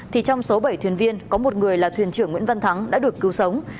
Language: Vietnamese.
thì trong số bảy thuyền viên có một người là thuyền trưởng nguyễn văn thắng đã được cứu sống